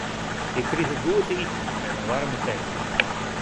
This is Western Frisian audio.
Ik krige goed te iten en in waarme tekken.